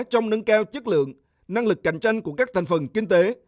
trong nâng cao chất lượng năng lực cạnh tranh của các thành phần kinh tế